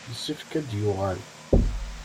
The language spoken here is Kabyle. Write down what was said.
Yessefk ad d-yuɣal.